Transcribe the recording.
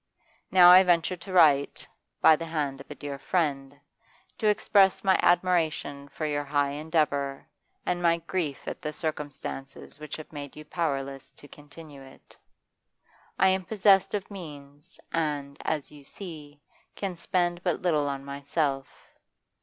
Now I venture to write (by the hand of a dear friend), to express my admiration for your high endeavour, and my grief at the circumstances which have made you powerless to continue it. 'I am possessed of means, and, as you see, can spend but little on myself.